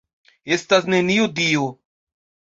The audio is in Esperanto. Estas neniu Dio!